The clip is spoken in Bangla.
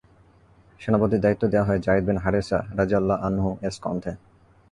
সেনাপতির দায়িত্ব দেয়া হয় যায়েদ বিন হারেসা রাযিয়াল্লাহু আনহু-এর স্কন্ধে।